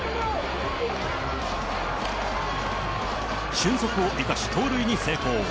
俊足を生かし、盗塁に成功。